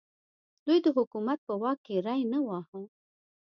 دوی د حکومت په واک کې ری نه واهه.